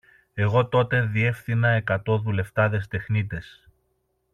Εγώ τότε διεύθυνα εκατό δουλευτάδες τεχνίτες